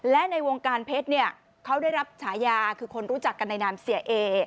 และในวงการเพชรเนี่ยเขาได้รับฉายาคือคนรู้จักกันในนามเสียเอ